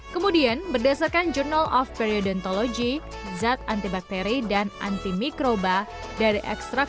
kemudian berdasarkan journal of periodontology zat antibakteri dan antimikroba dari ekstrak kayu putih dimasak